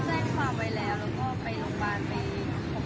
ตอนนี้กำหนังไปคุยของผู้สาวว่ามีคนละตบ